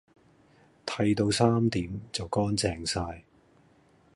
剃到三點就乾淨曬